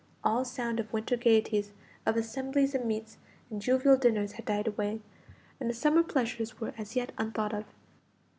All sound of winter gaieties, of assemblies and meets, and jovial dinners, had died away, and the summer pleasures were as yet unthought of.